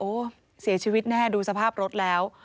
โอ้โหเสียชีวิตแน่ดูสภาพรถแล้ว